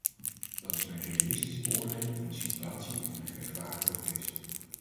Dat is mijn realistische beoordeling van de situatie en mijn gerechtvaardigde vrees.